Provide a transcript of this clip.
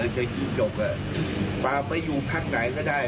ใช่จิ๊กจกปาไปอยู่พักหลายก็ได้